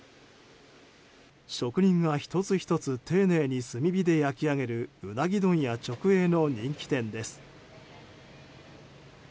職人が１つ１つ丁寧に炭火で焼き上げるウナギ問屋直営の人気店です。